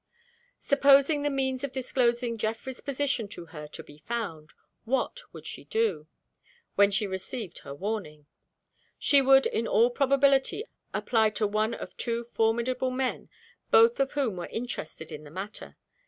Supposing the means of disclosing Geoffrey's position to her to be found what would she do, when she received her warning? She would in all probability apply to one of two formidable men, both of whom were interested in the matter.